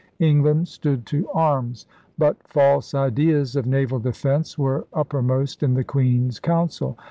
England stood to arms. But false ideas of naval defence were upper most in the Queen's Council.